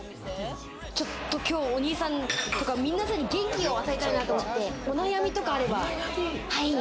ちょっときょうお兄さんとか皆さんに元気を与えたいなと思って、お悩みとかあれば。